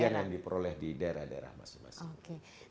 yang diperoleh di daerah daerah masing masing